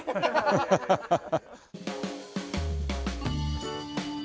ハハハハハ！